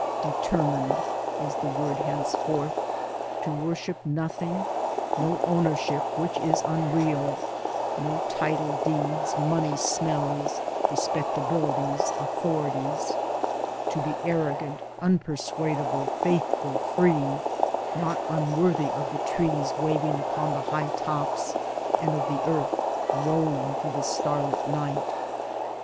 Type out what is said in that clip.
[Determined — is the word henceforth — to worship nothing, no ownership, which is unreal; no title deeds, money smells, respectabilities, authorities ; To be arrogant, unpersuadable, faithful, free — not un worthy of the trees waving upon the high tops and of the earth rolling through the starlit night.